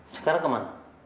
sekarang ke mana